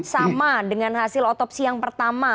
sama dengan hasil otopsi yang pertama